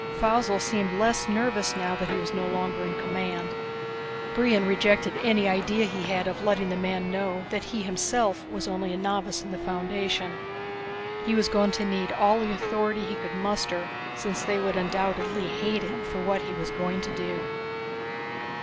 Faussel seemed less nervous now that he was no longer in command. Brion rejected any idea he had of letting the man know that he himself was only a novice in the foundation. He was going to need all the authority he could muster, since they would undoubtedly hate him for what he was going to do.